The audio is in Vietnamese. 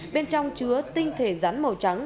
bên trong chứa tinh thể rắn màu trắng